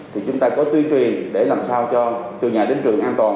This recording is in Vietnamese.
thì chúng ta có tuyên truyền để làm sao cho từ nhà đến trường an toàn